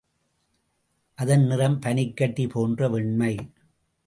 அதன் நிறம் பனிக்கட்டி போன்ற வெண்மை.